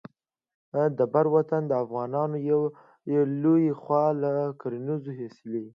د بر وطن افغانان یې له یوې خوا له کورونو ایستلي.